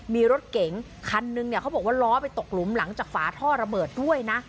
มีรถเก๋งคันนึงเนี่ยเขาบอกว่าล้อไปตกหลุมหลังจากฝาท่อระเบิดด้วยนะ